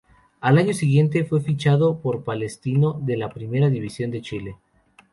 Al año siguiente, fue fichado por Palestino de la Primera División de Chile.